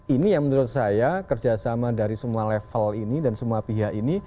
ini yang menurut saya kerjasama dari semua level ini dan semua pihak ini